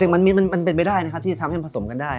มันไม่ได้ที่จะทำให้ผสมกันได้